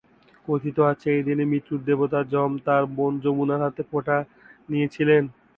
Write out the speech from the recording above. কথিত আছে, এই দিন মৃত্যুর দেবতা যম তার বোন যমুনার হাতে ফোঁটা নিয়েছিলেন।